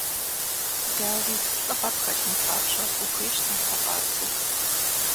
Дауи, лӏыгъэ пхэлъын папщӏэ ухуейщ напэ къабзэ.